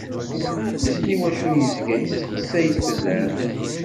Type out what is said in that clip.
Wissen i wacu i yezga yesteqsay-s fell-am.